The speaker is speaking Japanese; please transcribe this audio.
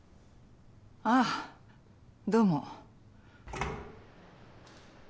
あぁどうも。